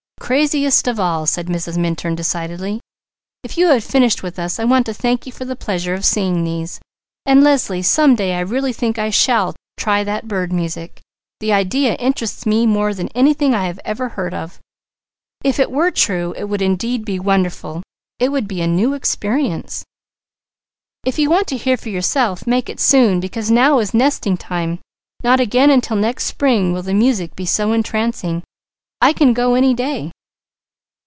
"Craziest of all," said Mrs. Minturn decidedly. "If you have finished with us, I want to thank you for the pleasure of seeing these, and Leslie, some day I really think I shall try that bird music. The idea interests me more than anything that I have ever heard of. If it were true, it would indeed be wonderful, it would be a new experience!" "If you want to hear for yourself, make it soon, because now is nesting time; not again until next spring will the music be so entrancing. I can go any day."